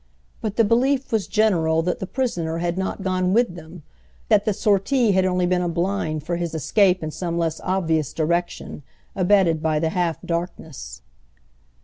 But the belief was general that the prisoner had not gone with them, that the sortie had only been a blind for his escape in some less obvious direction, abetted by the half darkness.